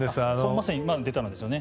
まさに今出たのですよね。